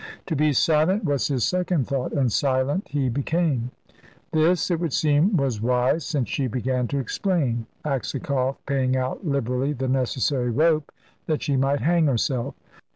To be silent was his second thought, and silent he became. This, it would seem, was wise, since she began to explain, Aksakoff paying out liberally the necessary rope that she might hang herself.